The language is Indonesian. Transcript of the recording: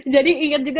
jadi ingat juga